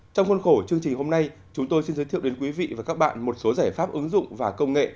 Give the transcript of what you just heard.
trong khuôn khổ chương trình hôm nay chúng tôi xin giới thiệu đến quý vị và các bạn một số giải pháp ứng dụng và công nghệ